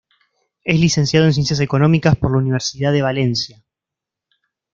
Es licenciado en Ciencias económicas por la Universidad de Valencia.